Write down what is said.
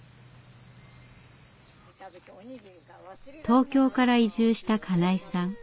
東京から移住した金井さん。